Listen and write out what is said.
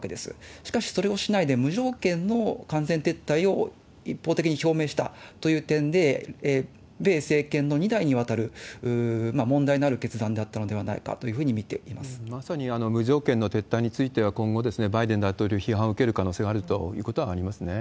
しかしそれをしないで、無条件の完全撤退を一方的に表明したという点で、米政権の２代にわたる問題のある決断であったのではないかというまさに無条件の撤退については、今後バイデン大統領、批判を受ける可能性はあると思いますね。